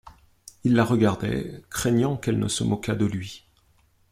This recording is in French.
Il la regardait, craignant qu’elle ne se moquât de lui.